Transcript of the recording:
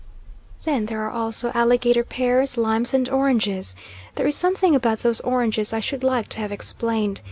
Then there are also alligator pears, limes, and oranges. There is something about those oranges I should like to have explained.